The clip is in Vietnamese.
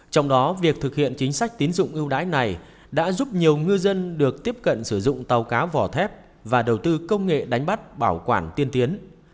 trong đó việc thực hiện chính sách tín dụng ưu đãi này đã giúp nhiều ngư dân được tiếp cận sử dụng tàu cá vỏ thép và đầu tư công nghệ đánh bắt bảo quản tiên tiến